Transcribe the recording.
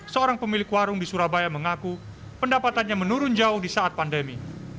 seorang pemilik warung di surabaya mengaku pendapatannya menurun jauh di saat pandemi